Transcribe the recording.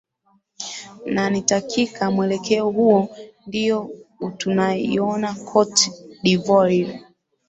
na nitakika mwelekeo huo ndio utunaiona cote dvoire